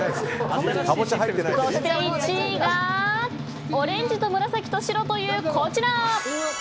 そして１位がオレンジ×紫×白という、こちら。